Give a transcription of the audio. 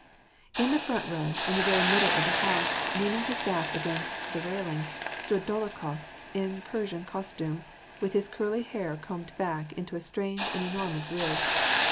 In the front row, in the very middle of the house, leaning his back against the railing, stood Dolokhof in Pei^sian cos tume, with his curly hair combed back into a strange and enormous ridge.